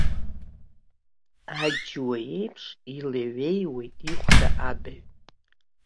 Аџьуа аиԥш илеиҩеиуеит ихәда абаҩ.